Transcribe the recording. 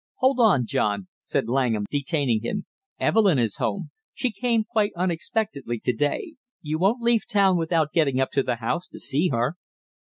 "Hold on, John!" said Langham, detaining him. "Evelyn is home. She came quite unexpectedly to day; you won't leave town without getting up to the house to see her?"